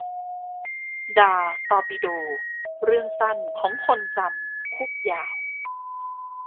ดา ตอร์ปิโด : เรื่องสั้น ของคนจำ คุก ยาว